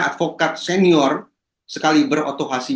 advokat senior sekali berotohasi